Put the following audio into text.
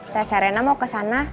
tese rena mau ke sana